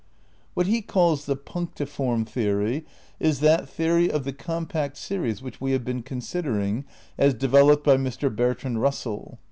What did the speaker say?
What he calls the punctiform theory is that theory of the compact series which we have been considering, as developed by Mr. Bertrand Russell.